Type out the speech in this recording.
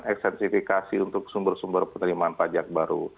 ekstensifikasi untuk sumber sumber penerimaan pajak baru